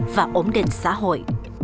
và ổn định xã hội